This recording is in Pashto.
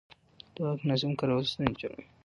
د واک ناسم کارول ستونزې جوړوي